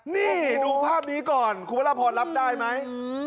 นี่ดูภาพนี้ก่อนคุณพระราพรรับได้ไหม